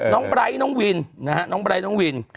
น้องไบร์น้องวิน